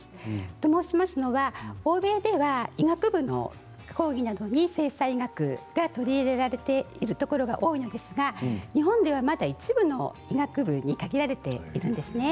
と申しますのは欧米では医学部の講義などに性差医学が取り入れられているところが多いんですが日本ではまだ一部の医学部に限られているんですね。